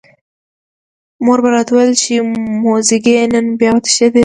مور به راته ویل چې موزیګیه نن بیا وتښتېدې.